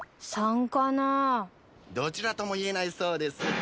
どちらとも言えないそうです。